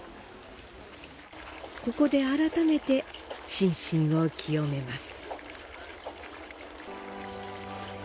ここで改めて、心身を清めます。